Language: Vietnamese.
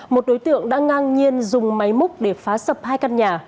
một đối tượng đã ngang nhiên dùng máy múc để phá sập hai căn nhà